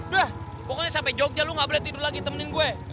dah pokoknya sampai jogja lu gak boleh tidur lagi temenin gue